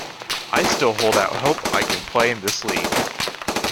I still hold out hope I can play in this league.